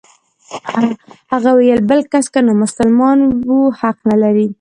هغه وايي بل کس که نامسلمان و حق نلري.